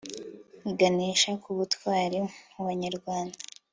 iganisha ku butwari mu banyarwanda